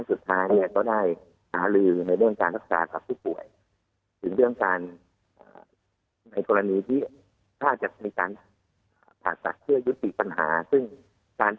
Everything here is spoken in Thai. ซึ่งการผ่าตัดพวกลูกเนี่ยอาจจะเป็นการเชื่อยุติปัญหาได้